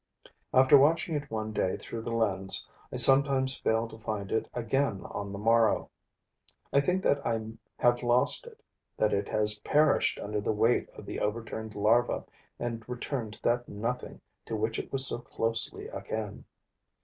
After watching it one day through the lens, I sometimes fail to find it again on the morrow. I think that I have lost it, that it has perished under the weight of the overturned larva and returned to that nothing to which it was so closely akin.